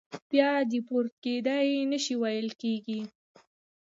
بیا دیپورت کېدای نه شي ویل کېږي.